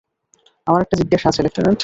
আমার একটা জিজ্ঞাসা আছে, লেফটেন্যান্ট।